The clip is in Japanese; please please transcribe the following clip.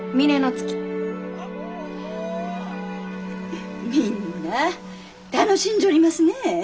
フッみんなあ楽しんじょりますね。